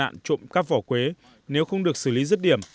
các tình trạng gia tăng nạn trộm các vỏ quế nếu không được xử lý rứt điểm